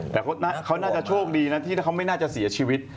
แต่เขาน่าจะโชคดีนะที่ถ้าเขาไม่น่าจะเสียชีวิต